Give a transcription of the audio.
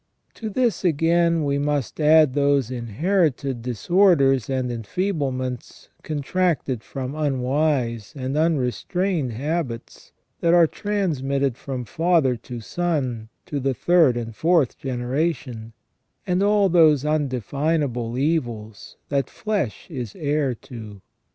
To this again we must add those inherited dis orders and enfeeblements contracted from unwise and unre strained habits that are transmitted from father to son to the third and fourth generation, and all those undefinable evils that flesh is heir to.